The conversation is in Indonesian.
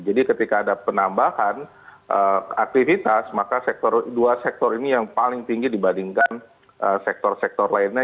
jadi ketika ada penambahan aktivitas maka dua sektor ini yang paling tinggi dibandingkan sektor sektor lainnya